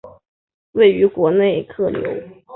该站主要面向国内客流。